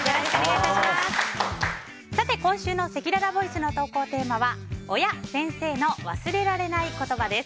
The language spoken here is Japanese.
今週のせきららボイスの投稿テーマは親・先生の忘れられない言葉です。